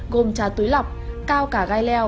gồm trà túi lọc cao cà gai leo